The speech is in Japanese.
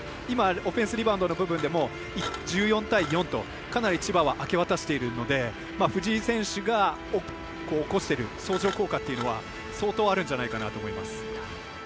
今、オフェンスリバウンドの部分でも１４対４と、かなり千葉は明け渡しているので藤井選手が起こしている相乗効果というのは相当あるんじゃないかなと思います。